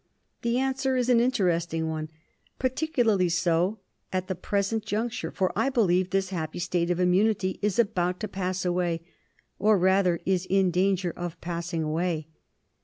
The answer is an interesting one, particularly so at the present junc ture, for I believe this happy state of immunity is about to pass away, or rather is in danger of passing away.